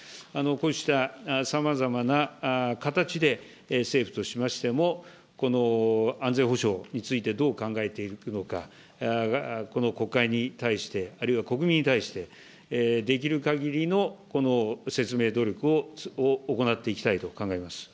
こうしたさまざまな形で政府としましても、この安全保障についてどう考えていくのか、この国会に対して、あるいは国民に対して、できるかぎりの説明努力を行っていきたいと考えます。